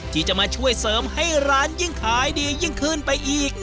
ที่จะมาช่วยเสริมให้ร้านยิ่งขายดียิ่งขึ้นไปอีก